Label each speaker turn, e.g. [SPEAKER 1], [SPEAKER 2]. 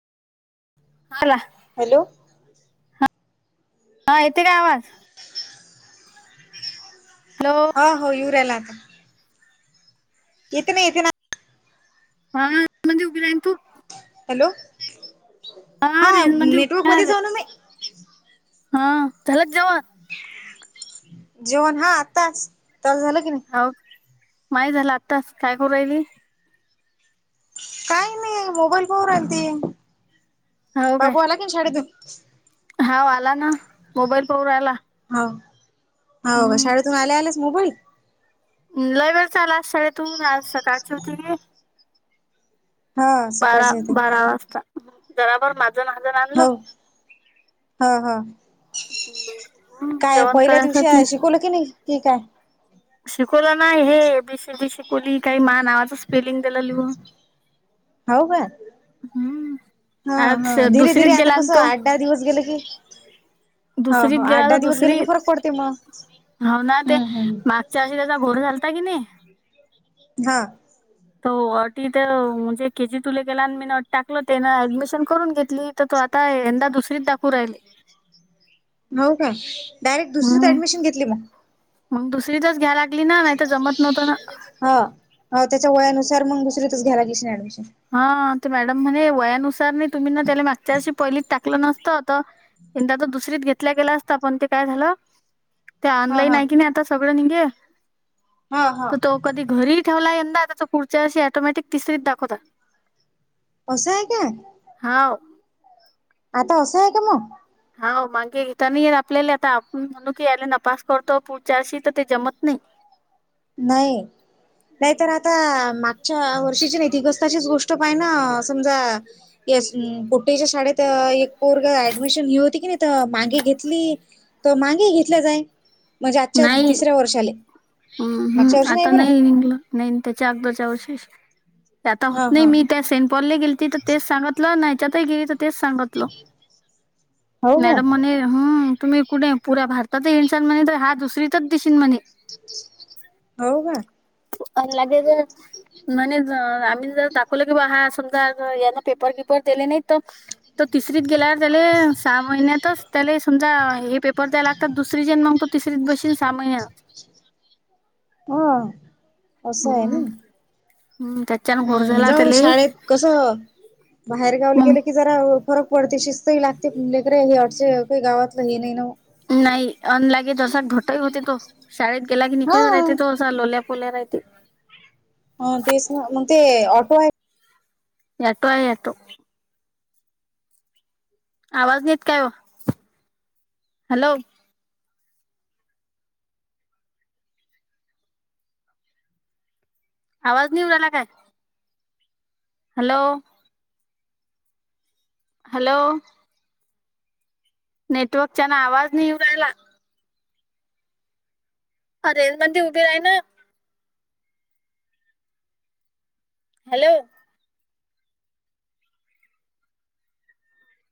[SPEAKER 1] आला.
[SPEAKER 2] हॅलो.
[SPEAKER 1] हां येतेय का आवाज? हॅलो.
[SPEAKER 2] हा हो यु रायला आता. येते ना, येते ना.
[SPEAKER 1] हम्म. मदीं उभी रायन तू.
[SPEAKER 2] हॅलो.
[SPEAKER 1] हा रेंज मंदी
[SPEAKER 2] नेटवर्क
[SPEAKER 1] उभी राय
[SPEAKER 2] मध्ये
[SPEAKER 1] रे
[SPEAKER 2] जाऊ ना मी
[SPEAKER 1] हां झालं का जेवणं?
[SPEAKER 2] जेवण हां आत्ताचं त्वाल झालं की नई?
[SPEAKER 1] अव माय झालं आत्ताच काय करू रायली?
[SPEAKER 2] कायी नाई मोबाईल पाहू रायलती
[SPEAKER 1] हो काय
[SPEAKER 2] बाबू आला की न शाळेतून?
[SPEAKER 1] हाव आला न मोबाईल पाहू रायला.
[SPEAKER 2] हाव हाव शाळेतून आल्या आल्याच मोबाइल?
[SPEAKER 1] म लय वेळचा आला आज शाळेतून आज सकाळचं टी व्ही आय.
[SPEAKER 2] हा
[SPEAKER 1] बारा
[SPEAKER 2] सकाळचे ते
[SPEAKER 1] बारा वाजता जरा बर माझं नाज आणलं.
[SPEAKER 2] हं हं.
[SPEAKER 1] हम्म जेवण करायंसाठी.
[SPEAKER 2] बोलू कि नई? ठीक आय.
[SPEAKER 1] शिकवलं ना हे बी सी जी सी शिकवली काही मा नावाचं स्पेलिंग दिलं लिहून.
[SPEAKER 2] हो का.
[SPEAKER 1] हम्म.
[SPEAKER 2] हा हा
[SPEAKER 1] आज
[SPEAKER 2] धीरे
[SPEAKER 1] दुसरीत
[SPEAKER 2] धीरे आता
[SPEAKER 1] गेला ना
[SPEAKER 2] कसं
[SPEAKER 1] तो
[SPEAKER 2] आठ दहा दिवस गेले की ह हो
[SPEAKER 1] दुसरीत
[SPEAKER 2] आठ
[SPEAKER 1] गेला
[SPEAKER 2] दहा
[SPEAKER 1] तर
[SPEAKER 2] दिवस गेले
[SPEAKER 1] दुसरी
[SPEAKER 2] की फरक पडते मग.
[SPEAKER 1] हो ना ते
[SPEAKER 2] हम्म हम्म
[SPEAKER 1] मागच्या अशी त्याचा घोर झालता की नाही
[SPEAKER 2] [inaudible] हा,
[SPEAKER 1] तो अटीथ म्हणजे के जी तुले गेला. टाकलं तेन ऍडमिशन करून घेतली तर तो आता यंदा दुसरीच दाखव राहिले.
[SPEAKER 2] हो का डायरेक्ट दुसरीत
[SPEAKER 1] हम्म
[SPEAKER 2] ऍडमिशन घेतली मग.
[SPEAKER 1] मग दुसरीतच घ्यायला लागली ना नाही तर जमत नव्हतं ना.
[SPEAKER 2] हं हो तेच्या वयानुसार मगं दुसरीतच घ्यायला लागली ऍडमिशन.
[SPEAKER 1] हा ते मॅडम म्हणे वयानुसार नाही तुम्ही ना तेला मागच्या वर्षी पहिलीत टाकलं नसतं त यंदा तो दुसरीत घेतला गेला असता, पण ते काय झालं. ते
[SPEAKER 2] हा
[SPEAKER 1] ऑनलाईन
[SPEAKER 2] हा
[SPEAKER 1] आहे की नाही आतां सगळं निघे
[SPEAKER 2] हा हा
[SPEAKER 1] तर तो कधी घरीही ठेवला यंदा तर, तो पुढच्या वर्षी ऑटोमॅटिक तिसरीत दाखवतता.
[SPEAKER 2] असेयं हे के.
[SPEAKER 1] हावं.
[SPEAKER 2] आता असयं का मं
[SPEAKER 1] हा मागे येता नाहीे येत आपल्याला आता आपण म्हणू के यायला नापास करतो, पुढच्या वर्षी तर ते जमत नयी.
[SPEAKER 2] नाई. नाही तरं आता मागच्या वर्षीची [unintelligible] गोष्ट तशीच गोष्ट आहे ना समजा. येस बुट्टेच्या शाळेत एक पोरगं ऍडमिशन हे होती की नाही आता मागे घेतली. तर मागे घेतलं जाय म्हणजे आजच्या
[SPEAKER 1] नाही
[SPEAKER 2] तिसऱ्या वर्षाले.
[SPEAKER 1] हम्म
[SPEAKER 2] मागच्या
[SPEAKER 1] हम्म
[SPEAKER 2] वर्षी
[SPEAKER 1] आता
[SPEAKER 2] बरं
[SPEAKER 1] नाही निघलं नाही त्याच्या अगदच्या वर्षीष आता
[SPEAKER 2] हा
[SPEAKER 1] होत नाही
[SPEAKER 2] हा
[SPEAKER 1] मी, त्या सेंट पॉलला गेलीती तर तेच सांगतलं नाहीच्यात गेली. तेच सांगतल [inaudible]
[SPEAKER 2] हो का
[SPEAKER 1] मॅडम म्हणे तुम्ही कुठे पु्या भारतात इन्सान म्हण हात दुसरीतच दिशेन म्हणे, [inaudible]
[SPEAKER 2] हो का!
[SPEAKER 1] लागे ज म्ह आम्ही जर दाखवलं कि बा हा अस. ना पेपर किपर दिले नाही तर तर तिसरीत गेल्यावर त्याले सहा महिन्यातच त्याला समजा हे पेपर द्याय लागतात दुसरी जण मग तो तिसरी बन सा
[SPEAKER 2] ह
[SPEAKER 1] हम् [inaudible] हम् का,
[SPEAKER 2] हम्म जाऊ शाळेत कस बाहेर गावलं
[SPEAKER 1] मग
[SPEAKER 2] गेलं की जरा फरक पडते शिस्तही लागते लेक हे अड काही गावातलं हे नाही ना
[SPEAKER 1] नाही अनलागे दर्शक घोटही होते तो शाळेत गेला की निखळत राहते
[SPEAKER 2] हा.
[SPEAKER 1] तो चालोल्यापोल्या नाहीह
[SPEAKER 2] ह तेच ना मग ते ऑटो आहे
[SPEAKER 1] एटो आहे याटो आवाज नाही येत काय ओ [inaudible] हॅलो. आवाज नाही येऊ राहिला काय? हॅलो, हॅलो, नेटवर्क न आवाज नाही उ राहिला. अरे मंद उभी राईना हॅलो,